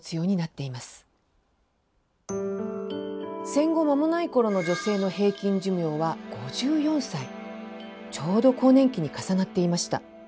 戦後間もない頃の女性の平均寿命は５４歳ちょうど更年期に重なっていました。